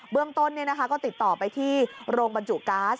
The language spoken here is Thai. เรื่องต้นก็ติดต่อไปที่โรงบรรจุก๊าซ